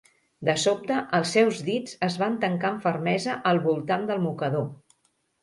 De sobte, els seus dits es van tancar amb fermesa al voltant del mocador.